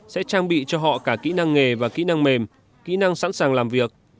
sẽ trang bị cho họ cả kỹ năng nghề và kỹ năng mềm kỹ năng sẵn sàng làm việc